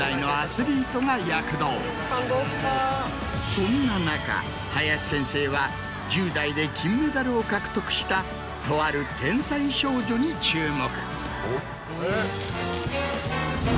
そんな中林先生は１０代で金メダルを獲得したとある天才少女に注目。